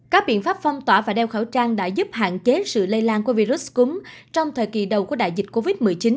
các biện pháp phong tỏa và đeo khẩu trang đã giúp hạn chế sự lây lan của virus cúm trong thời kỳ đầu của đại dịch covid một mươi chín